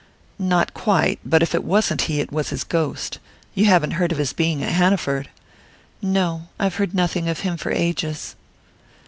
"Not quite; but if it wasn't he it was his ghost. You haven't heard of his being at Hanaford?" "No. I've heard nothing of him for ages."